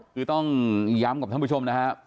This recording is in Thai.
คือต้องย้ำกับท่านผู้ชมนะครับ